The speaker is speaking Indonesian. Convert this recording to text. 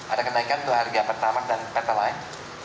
ada kenaikan untuk harga pertamak dan petelain